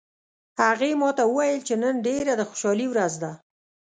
هغې ما ته وویل چې نن ډیره د خوشحالي ورځ ده